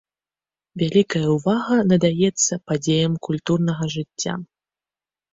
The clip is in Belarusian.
Вялікая ўвага надаецца падзеям культурнага жыцця.